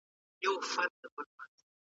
دې ډالۍ ته په درنه سترګه وګورئ.